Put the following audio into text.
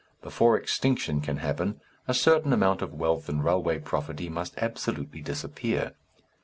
Before extinction can happen a certain amount of wealth in railway property must absolutely disappear.